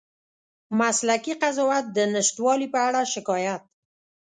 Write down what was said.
مسلکي قضاوت د نشتوالي په اړه شکایت